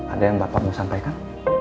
ada yang bapak mau sampaikan